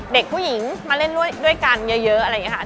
เด็กผู้หญิงมาเล่นด้วยกันเยอะอะไรอย่างนี้ค่ะ